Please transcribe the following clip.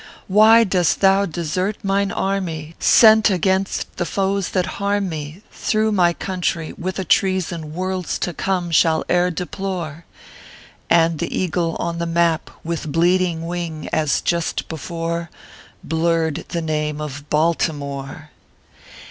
Why dost thou desert mine army, sent against the foes that harm mo, Through my country, with a Treason worlds to come shall e er de plore?" And the Eagle on the map, with bleeding wing, as just before, Blurred the name of BALTIMORE